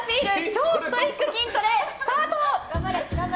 超ストイック筋トレスタート！